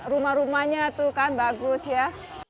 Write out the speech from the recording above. rumah rumahnya tuh kan bagus ya